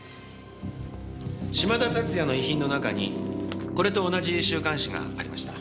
嶋田龍哉の遺品の中にこれと同じ週刊誌がありました。